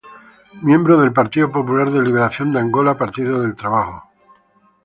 Miembro del Movimiento Popular de Liberación de Angola Partido del Trabajo.